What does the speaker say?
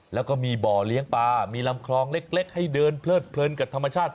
แล้วก็มีบ่อเลี้ยงปลามีลำคลองเล็กให้เดินเพลิดเพลินกับธรรมชาติ